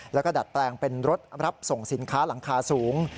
แล้วก็ดัดแปลงเป็นรถรับส่งสินค้าหลังคาสูง